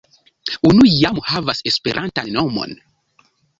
Unu jam havas esperantan nomon.